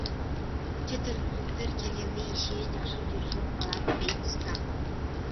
Чет өлкөлүктөр келгенде ишибиз жакшы жүрүшүп калат, — дейт уста.